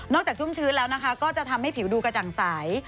ชุ่มชื้นแล้วนะคะก็จะทำให้ผิวดูกระจ่างใส